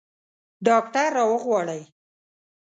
ډاکټر راوغواړئ